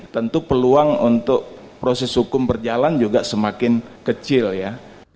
tentu peluang untuk proses hukum berjalan juga semakin kecil ya